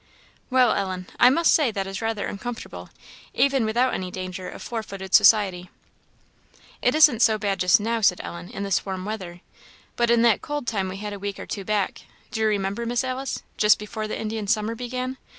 "Well, Ellen, I must say that is rather uncomfortable, even without any danger of four footed society." "It isn't so bad just now," said Ellen, "in this warm weather; but in that cold time we had a week or two back do you remember, Miss Alice? just before the Indian summer began?